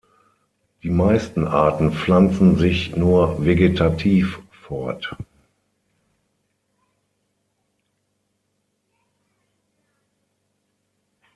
Die meisten Arten pflanzen sich nur vegetativ fort.